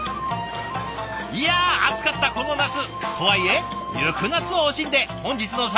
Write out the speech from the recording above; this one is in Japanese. いや暑かったこの夏！とはいえゆく夏を惜しんで本日の「サラメシ」は沖縄へ。